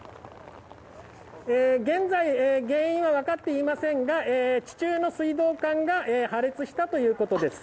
現在原因は分かっていませんが地中の水道管が破裂したということです。